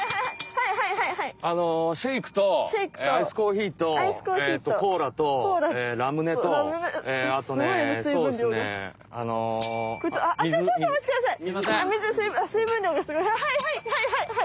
はいはいはいはいはい！